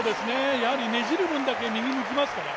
やはりねじる分だけ右にいきますから。